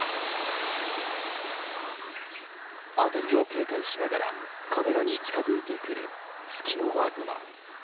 辺りを警戒しながらカメラに近づいてくるツキノワグマ。